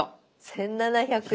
１，７００円。